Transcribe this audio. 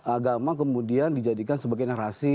agama kemudian dijadikan sebagai narasi